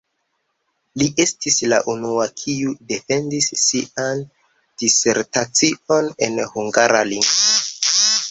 Li estis la unua, kiu defendis sian disertacion en hungara lingvo.